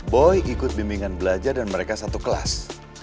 boy ikut bimbingan belajar dan mereka satu kelas